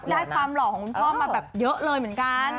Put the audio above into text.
ได้ความหล่อของคุณพ่อมาแบบเยอะเลยเหมือนกัน